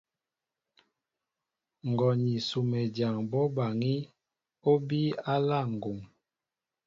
Ngɔ ni Sumedyaŋ bɔ́ baŋí , ó bíy á aláá ŋgum.